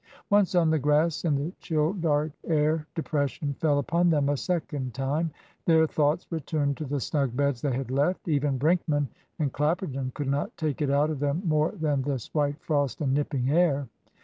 Once on the grass, in the chill, dark air, depression fell upon them a second time. Their thoughts returned to the snug beds they had left. Even Brinkman and Clapperton could not take it out of them more than this white frost and nipping air.